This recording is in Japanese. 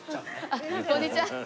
あっこんにちは。